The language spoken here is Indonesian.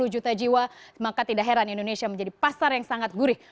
dua ratus lima puluh juta jiwa maka tidak heran indonesia menjadi pasar yang sangat gurih